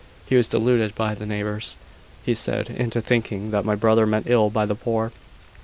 He was deluded by the neighbours, he said, into thinking that my brother meant ill by the poor."